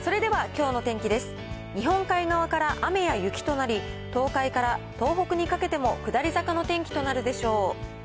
日本海側から雨や雪となり、東海から東北にかけても下り坂の天気となるでしょう。